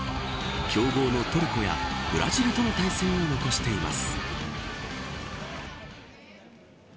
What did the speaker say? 強豪のトルコやブラジルとの対戦を残しています。